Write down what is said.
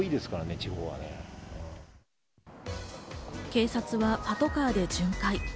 警察はパトカーで巡回。